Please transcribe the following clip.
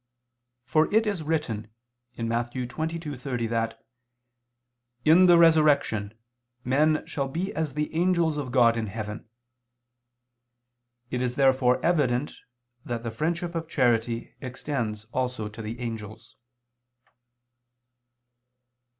For it is written (Matt. 22:30) that "in the resurrection ... men shall be as the angels of God in heaven." It is therefore evident that the friendship of charity extends also to the angels.